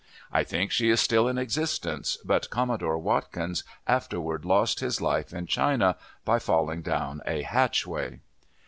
I think she is still in existence, but Commodore Watkins afterward lost his life in China, by falling down a hatchway.